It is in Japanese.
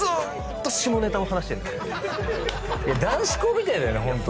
男子校みたいだよねホント。